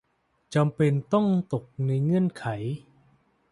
จำเป็นต้องตกในเงื่อนไข